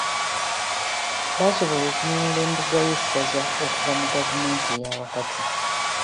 Baasobola okununula embuga y'essaza okuva mu gavumenti eyaawakati